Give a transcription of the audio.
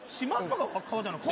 川じゃなくて？